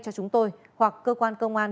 cho chúng tôi hoặc cơ quan công an